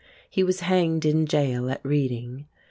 He was hanged in gaol at Reading.